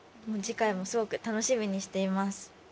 次回もすごく楽しみにしています。